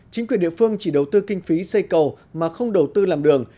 chính quyền địa phương chỉ đầu tư kinh phí xây cầu mà không đầu tư làm đường